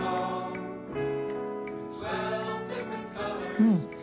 うん。